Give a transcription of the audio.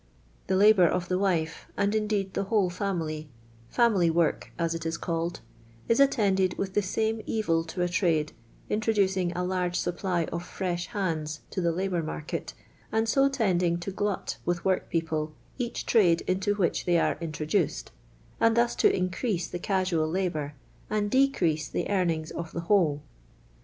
The labour of the wife, and indeed the whole family — fiimily work, as it is called— is attended with the same evil lo a trade, introducing a large supply of fresh hands to the kbour market, and so tending to glut with workpeople each trade into which they are introduced, and thus to increase the casual labour, and decrease the earn ings of the whole.